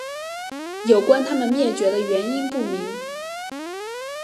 有关它们灭绝的原因不明。